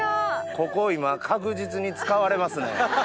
ここ今確実に使われますね。